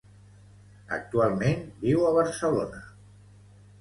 Actualment, viu a Barcelona.